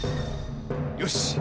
よし！